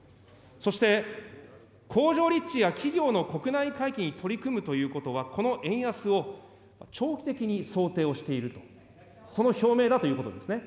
そして工場立地や企業の国内回帰に取り組むということは、この円安を長期的に想定をしていると、その表明だということですね。